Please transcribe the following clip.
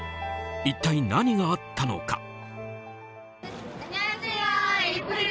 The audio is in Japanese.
一体何があったのか。